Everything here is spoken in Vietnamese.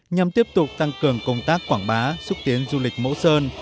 nhằm tiếp tục tăng cường công tác quảng bá xúc tiến du lịch mẫu sơn